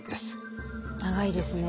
長いですね。